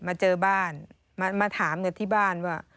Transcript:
มาเจอบ้านมาถามที่บ้านว่า